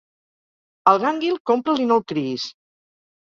El gànguil compra'l i no el criïs.